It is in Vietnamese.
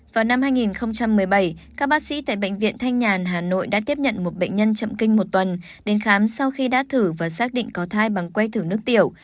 vào năm hai nghìn một mươi bảy các bác sĩ tại bệnh viện thanh nhàn hà nội đã tiếp nhận một bệnh nhân chậm kinh một tuần đến khám sau khi đã thử và xác định có thai bằng que thử nước tiểu